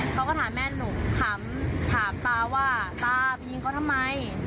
เขาก็ถามแม่หนูถามตาว่าตาไปยิงเขาทำไม